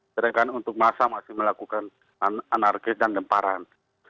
sedangkan untuk masa masih melakukan anarkis dan lemparan